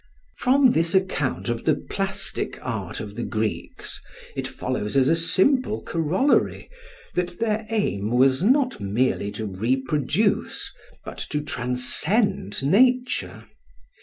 From this account of the plastic art of the Greeks it follows as a simple corollary, that their aim was not merely to reproduce but to transcend nature.